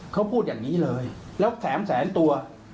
เขาพูดอย่างนี้เลยแล้ว๓แสนตัว